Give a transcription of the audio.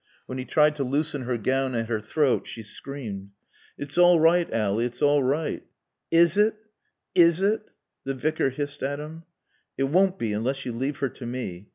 When he tried to loosen her gown at her throat she screamed. "It's all right, Ally, it's all right." "Is it? Is it?" The Vicar hissed at him. "It won't be unless you leave her to me.